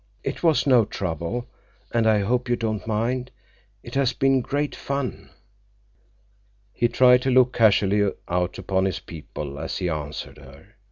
"It was no trouble. And I hope you don't mind. It has been great fun." He tried to look casually out upon his people as he answered her.